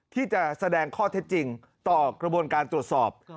ที่จะแสดงข้อเท็จจริงต่อกระบวนการตรวจสอบ